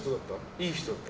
いい人だった？